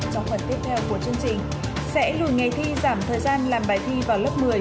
trong phần tiếp theo của chương trình sẽ lùi ngày thi giảm thời gian làm bài thi vào lớp một mươi